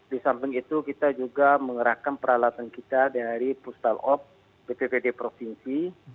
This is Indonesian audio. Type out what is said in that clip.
di samping itu kita juga mengerahkan peralatan kita dari pustal op bppd provinsi